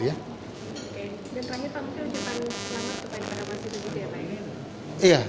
dan terakhir pak menteri ujian selamat